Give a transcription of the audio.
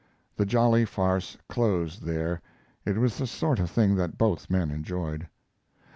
The jolly farce closed there. It was the sort of thing that both men enjoyed.